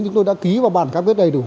chúng tôi đã ký vào bản cam kết đầy đủ